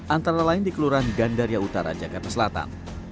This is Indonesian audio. antara lain di kelurahan gandaria utara jakarta selatan